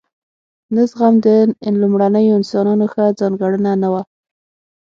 نه زغم د لومړنیو انسانانو ښه ځانګړنه نه وه.